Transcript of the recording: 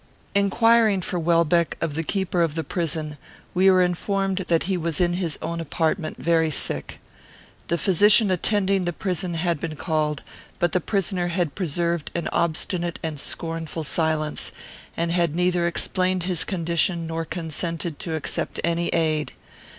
Inquiring for Welbeck of the keeper of the prison, we were informed that he was in his own apartment, very sick. The physician attending the prison had been called, but the prisoner had preserved an obstinate and scornful silence; and had neither explained his condition, nor consented to accept any aid.